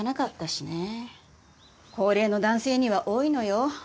高齢の男性には多いのよ。